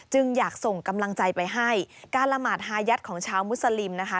อยากส่งกำลังใจไปให้การละหมาดฮายัดของชาวมุสลิมนะคะ